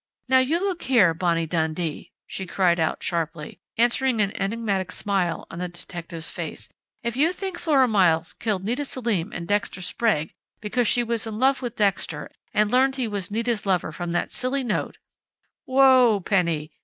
Now, you look here, Bonnie Dundee!" she cried out sharply, answering an enigmatic smile on the detective's face, "if you think Flora Miles killed Nita Selim and Dexter Sprague, because she was in love with Dexter and learned he was Nita's lover from that silly note " "Whoa, Penny!"